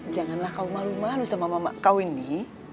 janganlah kau malu malu sama mama kau ini